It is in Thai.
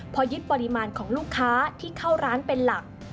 พอยึดปริมาณของลูกค้าที่เข้าร้านเป็นหลัก